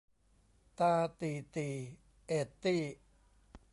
ตาตี่ตี่ เอตตี้